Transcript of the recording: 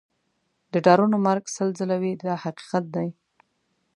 د ډارنو مرګ سل ځله وي دا حقیقت دی.